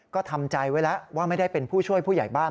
ก็ทำใจไว้แล้วว่าไม่ได้เป็นผู้ช่วยผู้ใหญ่บ้าน